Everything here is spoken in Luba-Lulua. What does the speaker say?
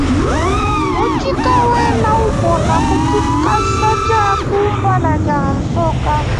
Mutshi kawena upona ku dikasa dia kumpala dia nsoka.